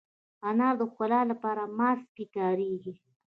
انار د ښکلا لپاره ماسک کې کارېږي.